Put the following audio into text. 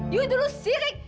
you dulu sirik